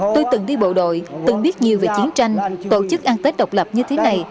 tôi từng đi bộ đội từng biết nhiều về chiến tranh tổ chức ăn tết độc lập như thế này